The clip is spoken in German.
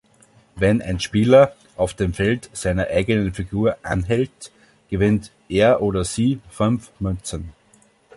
Wenn ein Spieler auf dem Feld seiner eigenen Figur anhält, gewinnt er oder sie fünf Münzen.